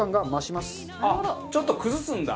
ああちょっと崩すんだ。